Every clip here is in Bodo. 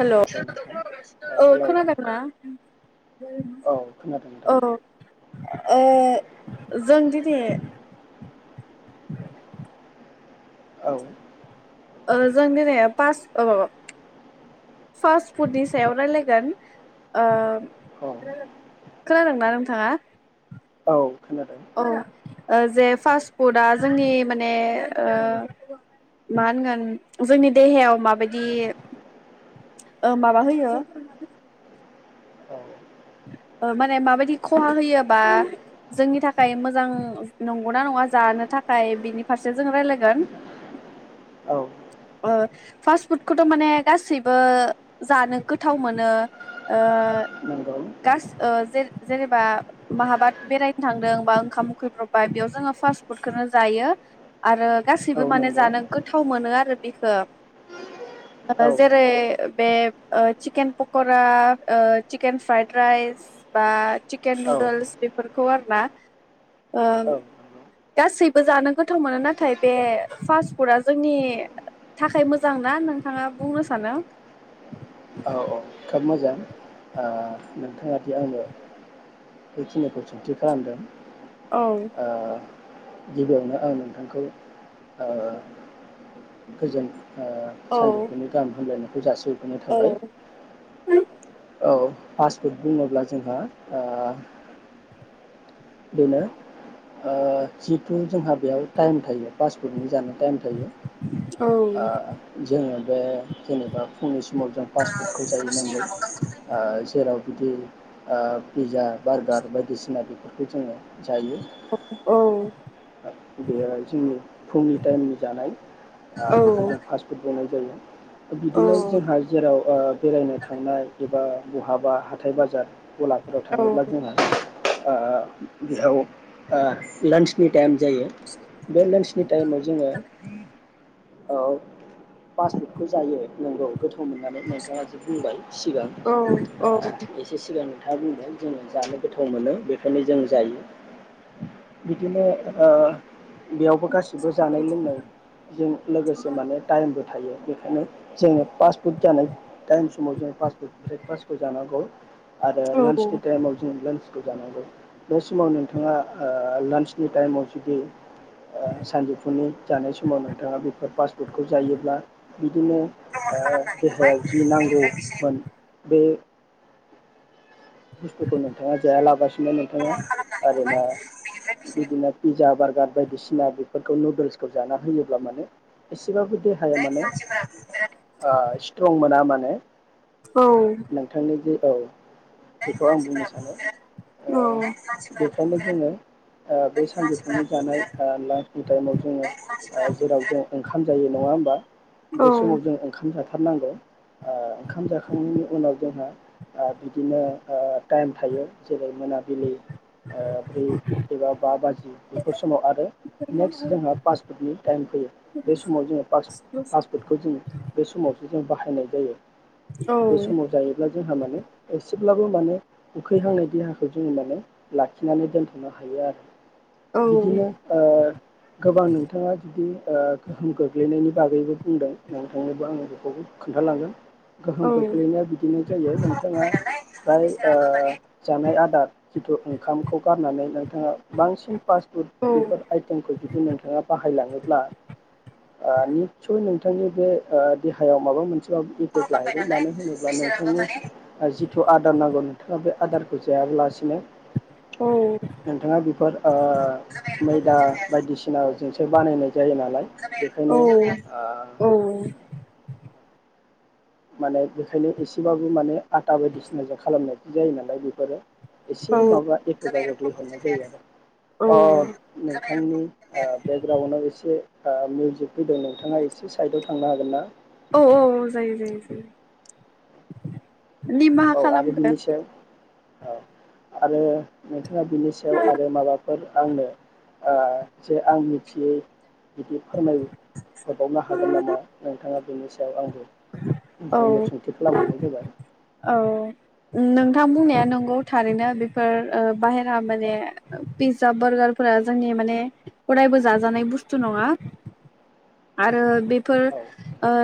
हेल' औ हेलौ नोंथां औ हेलौ खोनादों ना औ खोनादों नोंथां औ ओ जों दिनि औ ओ जों दिनै फास ओ माबाब फास्ट फुडनि सायाव रायलायगोन ओ। औ। खोनादोंना नोंथाङा। औ खोना औ ओ जे फास्ट फुडया जोंनि माने ओ मा होनगोन जोंनि देहायाव माबायदि ओ माबा होयो। औ ओ माने माबायदि खहा होयोबा जोंनि थाखाय मोजां नंगौना नङा जानो थाखाय बिनि फारसे जों राय्लायगोन औ ओ फास्ट फुडखौथ' माने गासैबो जानो गोथाव मोनो ओ नंगौ गास ओ जे-जेनेबा माहाबाद बेरायनो थांदोंबा ओंखाम उखैब्रबबाय बेयाव जोङो फास्ट फुडखौनो जायो आरो। औ गासैबो माने नंगौ जानो गोथाव मोनो आर [unintelligible] बिखो। औ आ जेरै बेब ओ चिकेन पक'रा ओ चिकेन फ्राइद राइस बा चिकेन औ नुदोल्स बेफोरखौ आरोना ओ नंगौ गासैबो जानो गोथाव मोनो नाथाय बे फास्ट फुडआ जोंनि थाखाय मोजां ना नोंथाङा बुंनो सानो। औ औ खोब मोजां आ नोंथाङा दि आंनो बेखिनिखौ सोंथि खालामदों। औ ओ। गिबियावनो आं नोंथांखौ ओ गोजोन। ओ औ सानजौफुनि गाहाम हामलाय। बुजासो। बेनो थाबाय । औ पास फुड बुङोब्ला जोंहा ओ। बेनो ओ जिथु जोंहा बेयाव टाइम थायो पासपुतनि जानाय। टाइम थायो । आ जोङो बे। जेनेबा फुंनि समाव जों फास्ड फुडखौ जायैनांगौ ओ जेराव बिदि ओ पिजा। बारगार बायदिसिना। [unintelligible] जायो। बेयो जोंनि फुंनि टाइमनि जानाय आ बेखौ जों फास्ट फुड। जायो। बिदिनो जोंहा जेराव ओ बेरायनो थांनाय एबा। बहाबा हाथाय बाजार। गलाफोराव थाङोब्ला जोंहा [unintelligible] टाइम जायो बे लान्चनि टाइमाव जोङो। औ पासपुटखौ जायो नंगौ । गोथाव मोननानै नोंथाङासो बुंबाय सिगां ओ औ एसे सिगां [unintelligible] बुंबाय जोङो जानो गोथाव मोनो बेखायनो जों जायो । बिदिनो ओ बेयावबो गासिबो जानाय लोंनायजों लोगोसे माने टाइमबो थायो बेखायनो जोङो फास्ट फुड जानाय टाइम समाव जों फास्टफुड ब्रेकफास्टखौ जानांगौ । आरो लान्चनि टाइमाव जों लान्स जानांगौ बे समाव नोंथाङा ओ लान्स नि टाइमाव जुदि ओ सानजौफुनि जानाय समाव नोंथाङा बेफोर फास्ट फुडखौ जायोब्ला [unintelligible] बिदिनो ओ देहायाव जि नांगौमोन बे बुस्थुखौ नोंथाङा जायालाबासिनो नोंथाङा आरोना बिदिनो पिजा बार गार बायदिसिना बेफोरखौ नुदोल्सखौ जाना होयोब्ला माने ए एसेबाबो देहाया माने ओ सित्रं मोना माने। [unintelligible] नोंथांनि जे औ। बेखौ आं बुंनो सानो ओ बेखायनो जोङो ओ बे सानजौफुंनि जानाय ओ लान्सनि टाइमाव जोङो ओ जेराव जों ओंखाम जायो नङा होमबा बे समाव जों ओंखाम जाथ [unintelligible] ओ ओंखाम जाखांनायनि उनाव जोंहा ओ बिदिनो ओ टाइम थायो जेरै मोनाबिलि ओ ब्रै बा बाजि बेफोर समाव आरो नेक्स जोंहा फास फुटनि टाइम फैयो बे समाव जों फास फास फुटखौ जों बे समाव जों बा हायनाय जायो। बे समाव जायोब्ला जोंहा माने एसे एसेब्लाबो माने उखैहांनाय देहाखौ [unintelligible] लाखिनानै दोनथ'नो हायो आरो । बिदिनो ओ गोबां नोंथाङा जुदि ओ गोहोम गोग्लैनायनि बागैबो बुंदों नोंथांनोबो आङो बेखौबो खोन्थालांगोन। गोहोम खख्लैनाया बिदिनो जायो नोंथाङा फ्राय ओ जानाय आदार जिथु ओंखामखौ गारनानै नों नोंथाङा बांसिन फास्ट फुड औ बेफोर आइटेमखौ जुदि नोंथाङा बाहायलाङोब्ला ओ निसय नों बिथांनि बे ओ देहायाव माबा मोनसे इफेक्ट लहैगोन मानो होनोब्ला नोंथांनि जिथु आदार नांगौ बे आदारखौ जायाब्लासिनो औ नोंथाङा बेफोर ओ मैदा बायदिसिनाजोंसो बानायनाय जायो नालाय बेखायनो माने बेखायनो एसेबाबो माने आटा बायदिसिनाजों खालामनाय जायो नालाय बेफोरो एसे माबा एफेकआव गोग्लैहरनाय जायो आरो अ नोंथांनि बेकग्राउन्डआव ओ एसे ओ मिउजिक फैदों नोंथाङा एसे साइदआव थांनो हागोन ना औ औ औ जायो जायो जायो निमाहा औ खालाम आरो बिनि सायाव [unintelligible] औ आरो ना बिनि सायाव आरो माबा फोर आंनो ओ जे आं मिथियै बिदि फोरमायहरोबावनो हागोन नामा नोंथाङा बिनि सायाव आं औ नोंथांयाव सोंथि खालामहरनाय जाबाय औ नोंथां बुंनाया नंगौ थारैनो बेफोर ओ बाहेरा माने पि्जा बारगारफोरा जोंनि माने अरायबो जाजानाय बुस्थु नङा आरो बेफोर औ ओ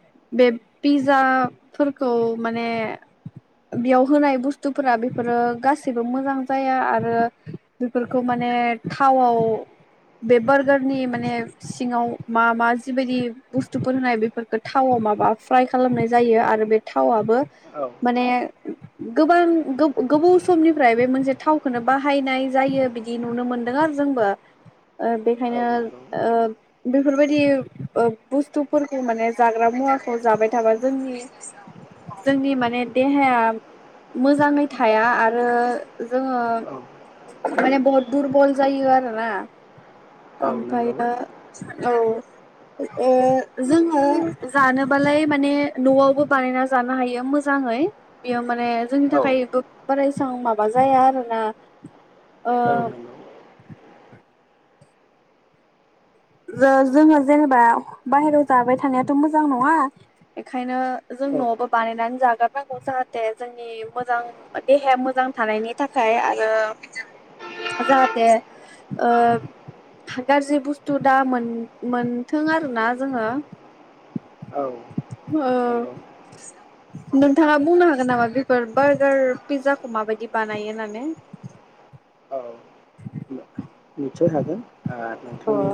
बे पिजाफोरखौ माने बेयाव होनाय बुस्थुफोरा बेफोरो गासैबो मोजां जाया आरो बेफोरखौ माने थावआव बे बारगारनि माने सिङाव मा मा जिबायदि बुस्थुफोर होनाय बेफोरखो थावआव माबा फ्राय खालामनाय जायो आरो बे थावआबो औ माने गोबां गो-गोबाव समनिफ्राय बे मोनसे थावखौनो बाहायनाय जायो बिदि नुनो मोनदों आरो जोंबो ओ औ बेखायनो नंगौ ओ बेफोरबायदि ओ बुस्थुफोरखौ माने जाग्रा मुवाखौ जाबाय थाबा जोंनि जोंनि माने देहाया मोजाङै थाया आरो जोङो औ माने बहुद दुरबल जायो आरोना औ नंगौ ओमफ्रायबो औ ए जोङो जानोबालाय माने न'आवबो बानायना जानो हायो मोजाङै बिया माने जोंनि औ थाखाय गोग बारा एसां माबा जाया आरोना औ ओ नंगौ ज जोङो जेनेबा बाहेरायाव जाबाय थानायाथ' मोजां नङा बेखायनो जों न'आवबो बानायनानै जागारनांगौ जाहाथे जोंनि मोजां देहाया मोजां थानायनि थाखाय आरो जाहाथे ओ गाज्रि बुस्थ थु दा मोन मोनथों आरोना जोङो औ ओ नंगौ नोंथाङा बुंनो हागोन नामा बेफोर बार्गार पिज्जाखौ माबायदि बानायो होननानै ओ [inaudible] निचय हागोन ओ औ नोंथांनि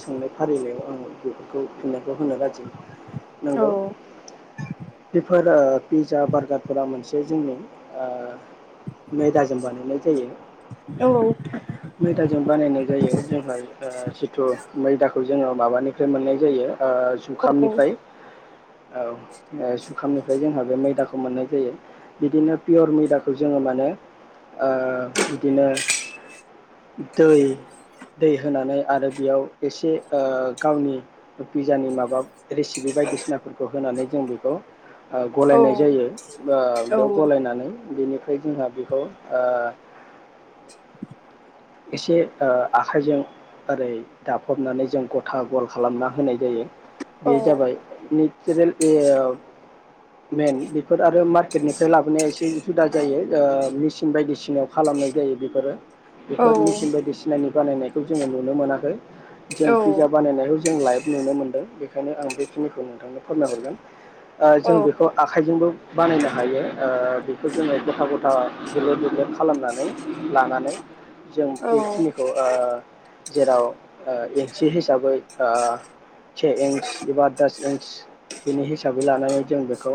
सोंनाय फारिलायाव आं गो खौ फि होनो राजि औ नोंगौ बिफोर ओ पिजा बार्गारफोरा मोनसे जोंनि ओ मैदाजों बानायनाय जायो औ [inaudible] मैदाजों बानायनाय जायो जोंहा ओ जिथु मैदा खौ जोङो माबानिफ्राय मोननाय जायो ओ औ जुखामनिफ्राय औ ओ जुखामनिफ्राय जोंहा बे मैदाखौ मोननाय जायो बिदिनो पियर मैदाखौ जोङो मानो ओ बिदिनो दै दै होनानै आरो बेयाव एसे ओ गावनि पिजानि माबा रेसिपि बायदिसिनाफोरखौ होनानै जों बेखौ ओ औ गलायनाय जायो बेयाव औ गलायनानै बेनिफ्राय जोंहा बेखौ ओ [inaudible] एसे ओ आखाइजों ओरै दाफबनानै जों गथा गल खालामना होनाय जायो बे जाबाय नेचारेल ए मेन बेफोर आरो मा पकेटनिफ्राय लाबोनाया एसे जुदा जायो ओ मेसिन बायदिसिनाव खालामनाय जायो बेफोरो बेफोर मेचिन बायदिसिनानि बानायनायखौ जोङो नुनो मोनाखै जों पिज्जा बानायनायखौ जों लाइभ नुनो मोनदों बेखायनो आं बेखिनिखौ नोंथांनो फोरमायहरगोन ओ जों बेखौ आखाइजोंबो बानायनो हायो बेखौ जोङो गथा गथा [unintelligible] खालामनानै लानानै जों औ बेखिनिखौ ओ जेराव ओ एन सि हिसाबै आ चे इन्स एबा दस इन्च बिनि हिसाबै लानानै जों बेखौ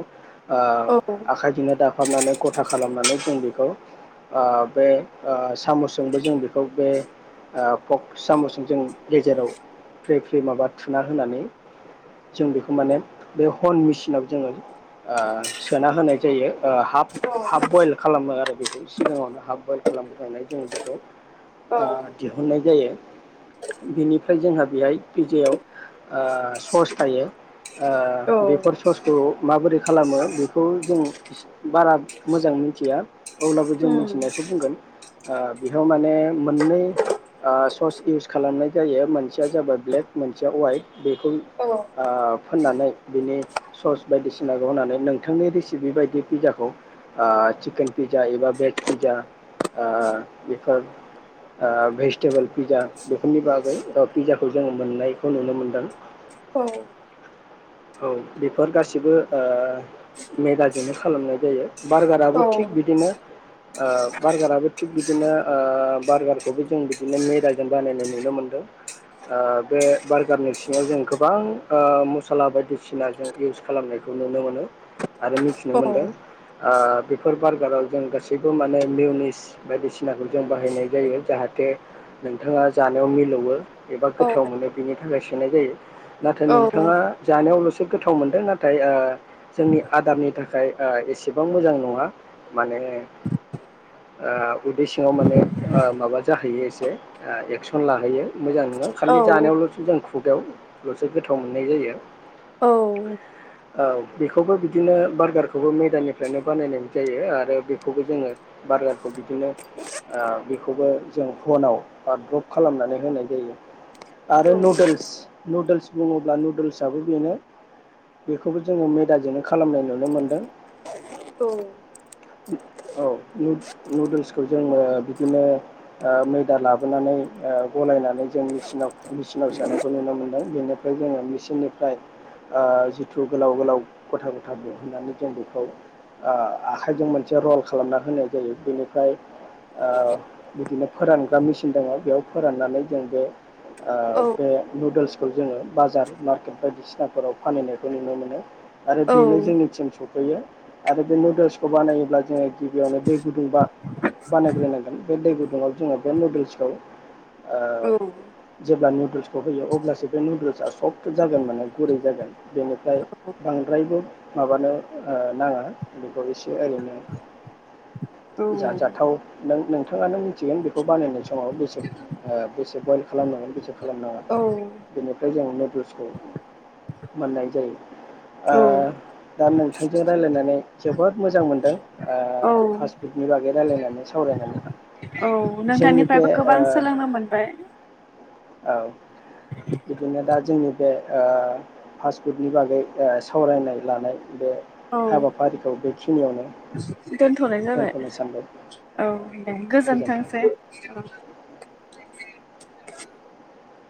ओ औ आखाइ दिनो दा हाबनानै गथा खालामनानै जों बेखौ ओ बे सामसजोंबो जों बेखौ बे पक्स सामसजों जों गेजेराव फ्रि फ्रि माबा थुना होनानै जों बेखौ माने बे हन मेसिनाव जोङो ओ सोना होनाय जायो ओ हाफ औ हाफ बयल खालामो आरो बेखौ सिगाङावनो हाफ बयल खालामग्रोनानै जों बेखौ औ ओ दिहुननाय जायो बेनिफ्राय जोंहा बेहाय पिजायाव ओ सस थायो ओ बेफोर ससखौ माबोरै खालामो बेखौ जों [unintelligible] बारा मोजां मिथिया अब्लाबो जों मिथिनायखौ बुंगोन ओ बेहाव माने मोननै ओ सस इउस खालामनाय जायो मोनसेया जाबाय ब्लेक मोनसेया वाइट बेखौ ओ फोननानै बिनि सस बायदिसिनाखौ होनानै नोंथांनि रेसिपि बायदि पिजाखौ ओ चिकेन पिजा एबा भेज पिजा ओ बेफोर ओ भेजिटेबोल पिज्जा बेफोरनि बागै पिज्जाखौ जोङो मोननायखौ नुनो मोनदों औ बेफोर गासिबो ओ मेलाजोंनो खालामनाय जायो बारगाराबो थिग बिदिनो ओ बार्गाराबो थिग बिदिनो ओ बार्गारखौबो जों बिदिनो मेदाजों बानायनाय नुनो मोनदों ओ बे बार्गारनि सिङाव जों गोबां ओ मसला बायदिसिना जों इउस खालामनायखौ नुनो मोनो आरो मिथिनो मोनदों बेफोर ओ बार्गाराव जों गासैबो माने मिउनिस बायदिसिनाखौ जों बाहायनाय जायो जाहाथे नोंथाङा जानायाव मिलौयो एबा गोथाव मोनो बिनि थाखाय सोनाय जायो नाथाय नोंथाङा जानायावल'सो गोथाव मोनदों नाथाय ओ जोंनि आदारनि थाखाय ओ एसेबां मोजां नङा माने ओ उदै सिङाव माने ओ माबा जाहैयो एसे ओ एक्सन लाहैयो मोजां नङा खालि जानायावल'थ' जों खुब [unintelligible] लसो गोथाव मोननाय जायो औ बेखौबो बिदिनो बारगारखौबो मेदानिफ्रायनो बानायनाय जायो आरो बेखौबो जोङो बार्गारखौ बिदिनो ओ बेखौबो जों हनाव द्रप खालामनानै होनाय जायो आरो नुदोल्स नुदोल्स बुङोब्ला नुदोल्सआबो बेनो बेखौबो जोङो मेदाजोंनो खालामनाय नुनो मोनदों औ औ नु- नुदोल्स खौ जोङो बिदिनो ओ मैदा लाबोनानै ओ गलायनानै जों मेसिनाव मेसिनाव सोनायखौ नुनो मोनदों। बेनिफ्राय जोङो मेचिननिफ्राय ओ जिथु गोलाव गोलाव गथा गथा दिहोननानै जों बेखौ ओ आखाइजों मोनसे रल खालामना होनाय जायो बेनि फ्राय ओ बिदिनो फोरानग्रा मेसिन दङ'।बेयाव फोराननानै जों बे ओ बे नुदोल्सखौ जोङो बाजार मार्केट बायदिसिनाफोराव फानहैनायखौ नुनो मोनो। आरो बेनो जोंनिथिं सफैयो। आरो बे नुदोल्सखौ बानायोब्ला जोङो गिबियावनो दै गुदुंबा बानायग्रोनांगोन बे दै गुद [unintelligible] जोङो बे नुदोल्सखौ ओ जेब्ला नु दोल्सखौ होयो अब्लासो बे नुदोल्सआ सफ्ट जागोन माने गुरै जागोन। बेनिफ्राय बांद्रायबो माबानो ओ नाङा बेखौ एसे ओरैनो जाजाथाव नों नोंथाङानो मिथिगोन बेखौ बानायनाय समाव बेसे ओ बेसे बयल खालामनांगोन बेसे खालामनाङा बेनिफ्राय जों नुदोल्सखौ मोननाय जायो। ओ दा नोंथांजों रायलायनानै जोबोद मोजां मोनदों। औ बे रायलायनानै सावरायनानै औ जोंनि बे नोंथांनिफ्रायबो गोबां सोलोंनो मोनबाय। औ बिदिनो दा जोंनि बे ओ फास्फुडनि बागै सावरायनाय लानाय बे औ हाबाफारिखौ बेखिनियावनो [unintelligible] दोनथ'नाय जाबाय दोनथ'नो सानबाय औ दे गोजोन्थों गोजोनथोंसै औ।